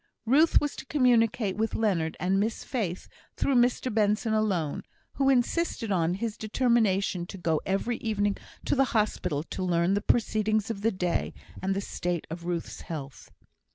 Ruth was to communicate with Leonard and Miss Faith through Mr Benson alone, who insisted on his determination to go every evening to the Hospital to learn the proceedings of the day, and the state of Ruth's health.